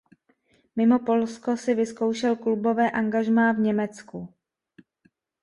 Mimo Polsko si vyzkoušel klubové angažmá v Německu.